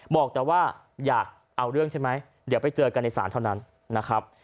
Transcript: บอกแต่ว่าอยากเอาเรื่องใช่ไหมเดี๋ยวไปเจอกันในศาลเท่านั้นนะครับ